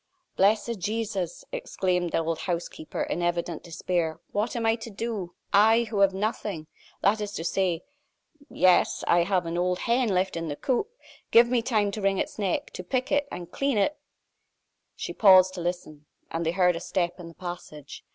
"Blessed Jesus!" exclaimed the old housekeeper, in evident despair. "What am I to do? I, who have nothing! That is to say yes I have an old hen left in the coop. Give me time to wring its neck, to pick it, and clean it " She paused to listen, and they heard a step in the passage.